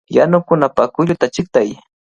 ¡Yanukunapaq kulluta chiqtay!